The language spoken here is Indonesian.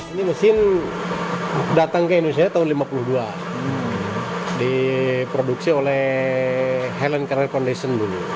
ini mesin datang ke indonesia tahun seribu sembilan ratus lima puluh dua diproduksi oleh helent carrier coundation dulu